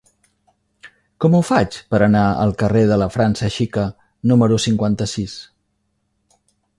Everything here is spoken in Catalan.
Com ho faig per anar al carrer de la França Xica número cinquanta-sis?